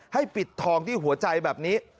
ปิดทองที่หัวใจแบบนี้